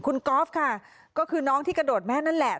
คุณก๊อฟค่ะก็คือน้องที่กระโดดแม่นั่นแหละ